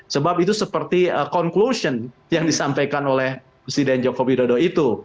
sebab itu seperti conclusion yang disampaikan oleh presiden joko widodo itu